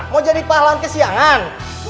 mau jadi pahlawan kesiangan